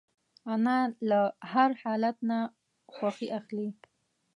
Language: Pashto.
انا له هر حالت نه خوښي اخلي